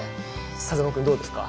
風間君どうですか？